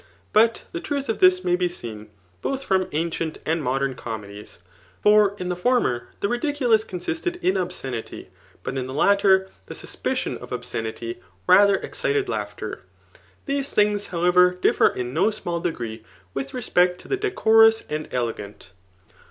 But the truth of this may be seen,* both fron^ an/ciem and modeiTi co m edies ; for in the former, the ridiculous cpnsist^ \a dbscesSty ; but in the latter, the iSuspiQon of obscenity rather excited laughter. These things, however, differ in no small degree with respect to the decoroas and ele gant.